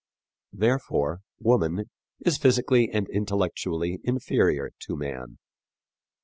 Therefore, woman is physically and intellectually inferior to man.